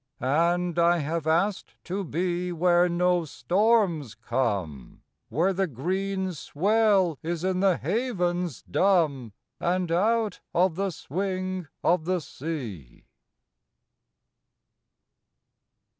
And I have asked to be Where no storms come, Where the green swell is in the havens dumb, And out of the swing of the sea.